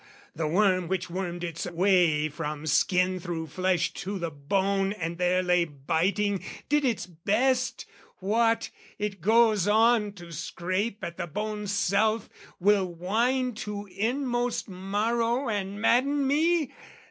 The worm which wormed its way from skin through flesh To the bone and there lay biting, did its best, What, it goes on to scrape at the bone's self, Will wind to inmost marrow and madden me?